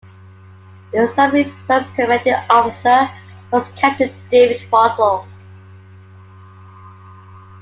The submarine's first commanding officer was Captain David Russell.